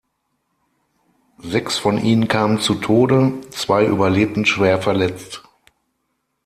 Sechs von ihnen kamen zu Tode, zwei überlebten schwer verletzt.